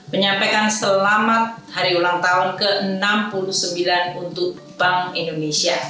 menyampaikan selamat hari ulang tahun ke enam puluh sembilan untuk bank indonesia